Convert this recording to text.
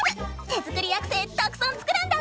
手作りアクセたくさん作るんだぁ！